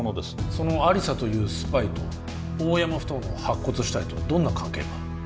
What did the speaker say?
その亜理紗というスパイと大山ふ頭の白骨死体とどんな関係が？